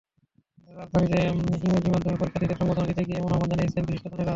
রাজধানীতে ইংরেজি মাধ্যমের শিক্ষার্থীদের সংবর্ধনা দিতে গিয়ে এমন আহ্বান জানিয়েছেন বিশিষ্টজনেরা।